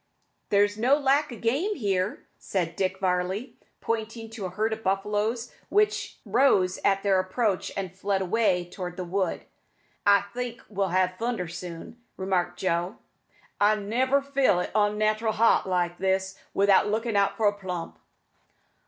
"There's no lack o' game here," said Dick Varley, pointing to a herd of buffaloes which rose at their approach and fled away towards the wood. "I think we'll ha' thunder soon," remarked Joe. "I never feel it onnatteral hot like this without lookin' out for a plump."